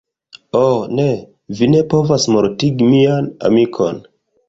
Oh ne! Vi ne povas mortigi mian amikon!